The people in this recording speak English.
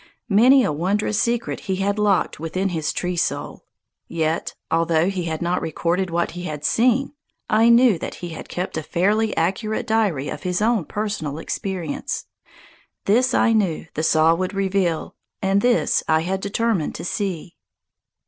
Many a wondrous secret he had locked within his tree soul. Yet, although he had not recorded what he had seen, I knew that he had kept a fairly accurate diary of his own personal experience. This I knew the saw would reveal, and this I had determined to see.